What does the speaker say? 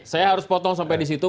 saya harus potong sampai di situ